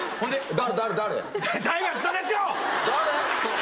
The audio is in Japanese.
誰？